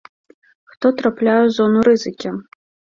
Хто трапляе ў зону рызыкі?